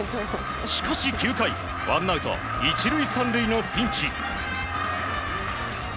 しかし９回ワンアウト１塁３塁のピンチ。